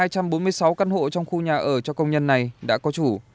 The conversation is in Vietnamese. hai trăm bốn mươi sáu căn hộ trong khu nhà ở cho công nhân này đã có chủ